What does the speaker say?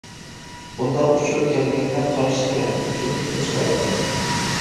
بۇنداق ئۇچۇر كەلگەندە، قارشى تەرەپنىڭ كىملىكىنى سوراڭ.